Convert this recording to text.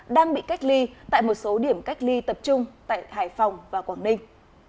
đang bị cách ly tại một số điểm cách ly tập trung tại hải phòng và quảng ninh